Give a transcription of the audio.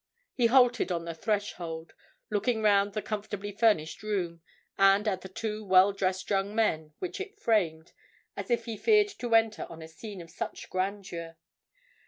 He halted on the threshold, looking round the comfortably furnished room, and at the two well dressed young men which it framed as if he feared to enter on a scene of such grandeur.